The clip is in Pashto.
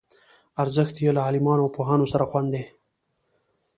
ارزښت یې له عالمانو او پوهانو سره خوندي دی.